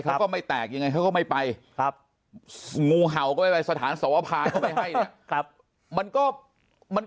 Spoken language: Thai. เขาไม่แตกยังไงเขาไม่ไปครับงูเห่าสถานสวภาพให้ครับมันก็มัน